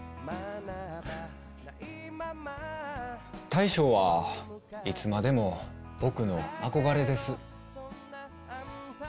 大将はいつまでも僕の憧れです。